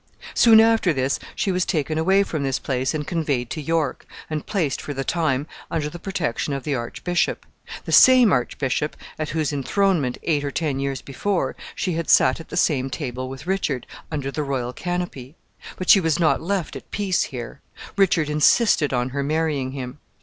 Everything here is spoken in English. Soon after this she was taken away from this place and conveyed to York, and placed, for the time, under the protection of the archbishop the same archbishop at whose enthronement, eight or ten years before, she had sat at the same table with Richard, under the royal canopy. But she was not left at peace here. Richard insisted on her marrying him.